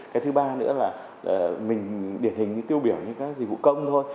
cái thứ ba nữa là mình điển hình như tiêu biểu như các dịch vụ công thôi